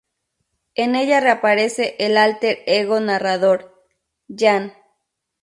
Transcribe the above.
En ella reaparece el alter ego narrador, Jean.